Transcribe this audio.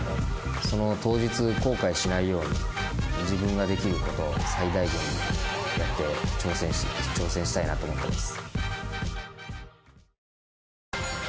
その当日、後悔しないように自分ができることを最大限やって挑戦したいなと思っています。